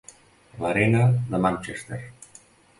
L'Arena de Manchester.